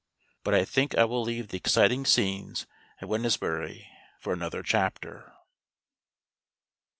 But I think I will leave the exciting scenes at Wednesbury for another chapter.